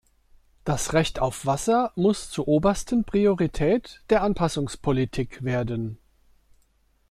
Das Recht auf Wasser muss zur obersten Priorität der Anpassungspolitik werden.